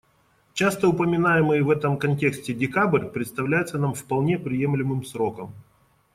Часто упоминаемый в этом контексте декабрь представляется нам вполне приемлемым сроком.